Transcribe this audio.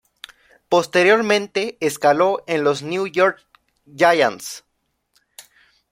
Posteriormente, escaló en los New York Giants.